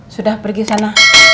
sudah pergi sana